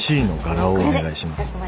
Ｃの柄をお願いします。